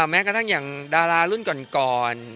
แม้กระทั่งอย่างดารารุ่นก่อน